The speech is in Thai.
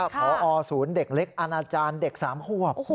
พอศูนย์เด็กเล็กอาณาจารย์เด็ก๓ขวบ